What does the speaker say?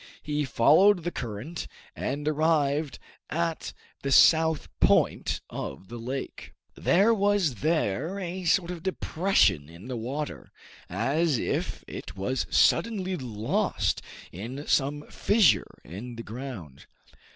He followed the current, and arrived at the south point of the lake. There was there a sort of depression in the water, as if it was suddenly lost in some fissure in the ground.